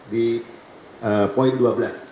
di dalam kontrak disebutkan nilai jaminannya